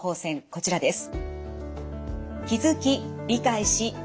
こちらです。